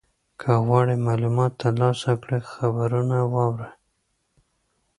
که غواړې معلومات ترلاسه کړې خبرونه واوره.